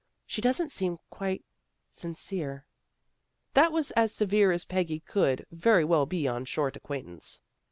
" She doesn't seem quite sincere." That was as severe as Peggy could very well be on short acquaintance.